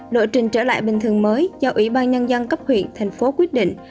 lộ trình trở lại bình thường mới do ủy ban nhân dân cấp huyện thành phố quyết định